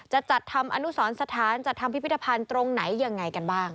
จะจัดทำอนุสรสถานจัดทำพิพิธภัณฑ์ตรงไหนยังไงกันบ้าง